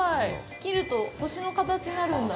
切ると星の形になるんだ。